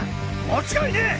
間違いねぇ！